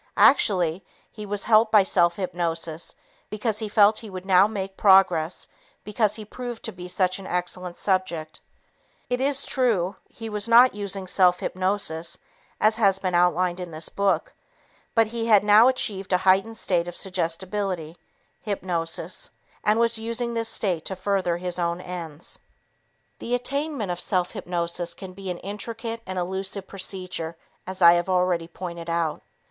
Actually, he was helped by self hypnosis because he felt he would now make progress because he proved to be such an excellent subject. It is true, he was not using self hypnosis as has been outlined in this book, but he had now achieved a heightened state of suggestibility (hypnosis) and was using this state to further his own ends. The attainment of self hypnosis can be an intricate and elusive procedure as I have already pointed out.